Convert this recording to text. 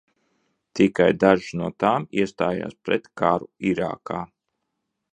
Tikai dažas no tām iestājās pret karu Irākā.